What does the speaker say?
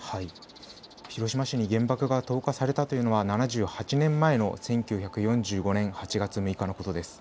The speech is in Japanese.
広島市に原爆が投下されたというのは７８年前の１９４５年８月６日のことです。